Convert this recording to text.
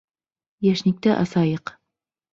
Йәшникте асайыҡ.